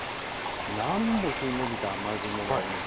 南北に延びた雨雲があります。